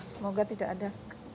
semoga tidak ada